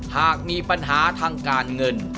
หากมีปัญหาทางการเงิน